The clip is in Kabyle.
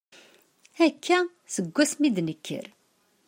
Akka, seg wasmi i d-nekker.